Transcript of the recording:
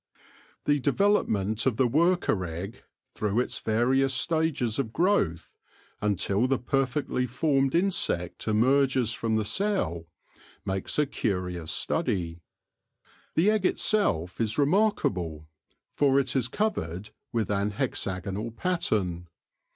The development of the worker egg through its various stages of growth, until the perfectly^ formed insect emerges from the cell, makes a curious study. The egg itself is remarkable, for it is covered with an hexagonal pattern.